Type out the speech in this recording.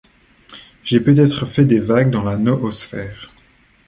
J'ai peutêtre fait des vagues dans la noosphère.